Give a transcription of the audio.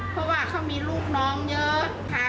เพราะว่าเขามีลูกน้องเยอะค่ะ